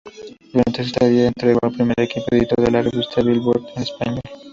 Durante su estadía integró el primer equipo editor de la revista Billboard en español.